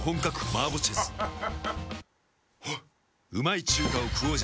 あっ。